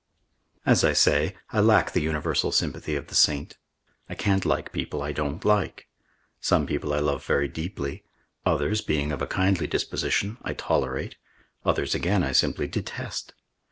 As I say, I lack the universal sympathy of the saint. I can't like people I don't like. Some people I love very deeply; others, being of a kindly disposition, I tolerate; others again I simply detest.